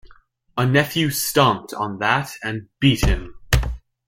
A nephew stomped on that and beat him.